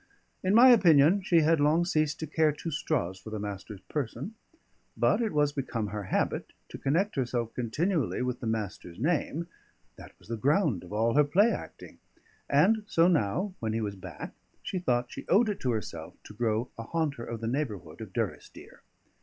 In my opinion, she had long ceased to care two straws for the Master's person; but it was become her habit to connect herself continually with the Master's name; that was the ground of all her play acting; and so now, when he was back, she thought she owed it to herself to grow a haunter of the neighbourhood of Durrisdeer.